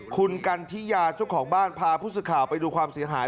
คุณกันทิยาเจ้าของบ้านพาผู้สื่อข่าวไปดูความเสียหาย